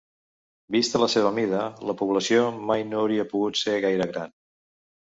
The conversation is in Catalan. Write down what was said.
Vista la seva mida, la població mai no hauria pogut ser gaire gran.